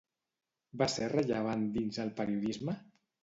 Va ser rellevant dins el periodisme?